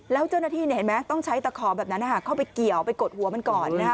แล้วเจ้าหน้าที่เห็นไหมต้องใช้ตะขอแบบนั้นเข้าไปเกี่ยวไปกดหัวมันก่อน